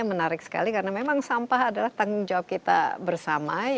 menarik sekali karena memang sampah adalah tanggung jawab kita bersama